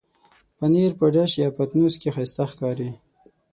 پنېر په ډش یا پتنوس کې ښايسته ښکاري.